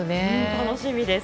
楽しみです。